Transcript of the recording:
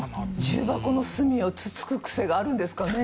重箱の隅をつつくクセがあるんですかね？